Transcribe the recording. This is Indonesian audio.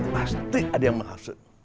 pasti ada yang menghasut